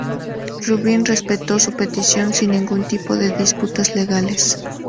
Rubin respetó su petición sin ningún tipo de disputas legales.